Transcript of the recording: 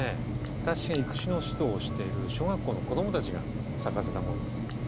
私が育種の指導をしている小学校の子供たちが咲かせたものです。